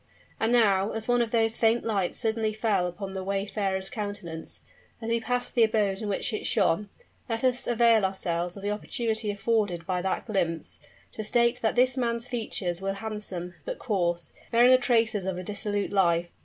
And now, as one of those faint lights suddenly fell upon the wayfarer's countenance, as he passed the abode in which it shone let us avail ourselves of the opportunity afforded by that glimpse, to state that this man's features were handsome, but coarse, bearing the traces of a dissolute life.